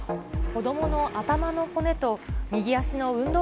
子どもの頭の骨と右足の運動